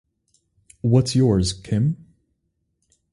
What's yours, Kim?